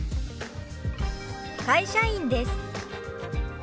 「会社員です」。